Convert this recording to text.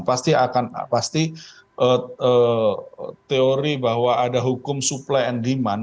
pasti akan pasti teori bahwa ada hukum supply and demand